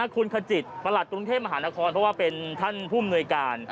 คุณขจิตประหลัดกรุงเทพมหานครเพราะว่าเป็นท่านผู้อำนวยการ